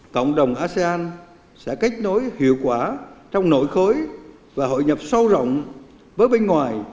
cộng đồng asean sẽ kết nối hiệu quả trong nội khối và hội nhập sâu rộng với bên ngoài